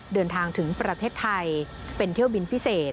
เดินทางถึงประเทศไทยเป็นเที่ยวบินพิเศษ